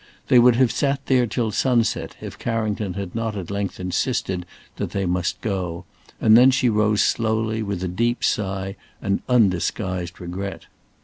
They would have sat there till sunset if Carrington had not at length insisted that they must go, and then she rose slowly with a deep sigh and undisguised regret.